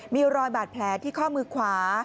มีรอยบาดแผลที่ข้อมือขวา